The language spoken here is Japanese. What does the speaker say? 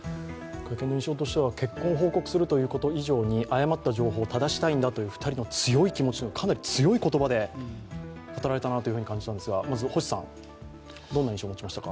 会見の印象としては、結婚を報告するということ以上に誤った情報を正したいんだという２人の気持ちが強い言葉で語られたなというふうに感じたんですがどんな印象でしたか？